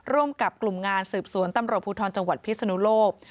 ร่วมกับกลุ่มงานสืบสวนตำรวจภูทรจังหวัดพิศนุโลก